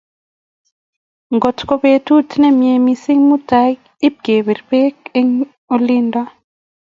Kot ko petut ne mie mising mutai ipkepir bek eng oinet